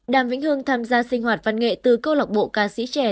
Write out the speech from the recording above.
đàm vĩnh hương tham gia sinh hoạt văn nghệ từ câu lọc bộ ca sĩ trẻ